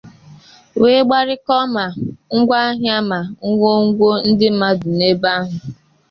wee gbarikọọ ma ngwaahịa ma ngwongwo ndị mmadụ n'ebe ahụ.